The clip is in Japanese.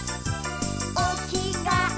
「おきがえ